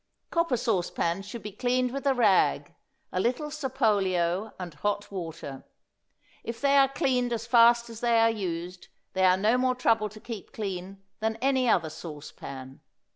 Copper sauce pans should be cleaned with a rag, a little Sapolio and hot water. If they are cleaned as fast as they are used they are no more trouble to keep clean than any other sauce pan.